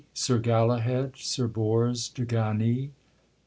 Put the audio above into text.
SIR GALAHAD. SIR BORS DE GANYS.